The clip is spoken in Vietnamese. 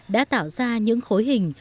đã tạo ra những khối hình